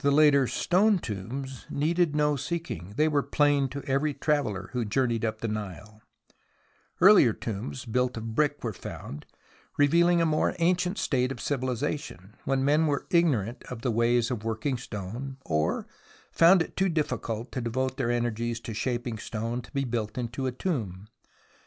The later stone tombs needed no seeking ; they were plain to every traveller who journeyed up the Nile, Eariier 42 THE ROMANCE OF EXCAVATION 43 tombs built of brick were found, revealing a more ancient state of civilization, when men were ignorant of the ways of working stone, or found it too difficult to devote their energies to shaping stone to be built into a tomb.